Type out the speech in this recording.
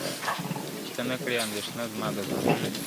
چي ته نه کړې اندېښنه زما د زامنو `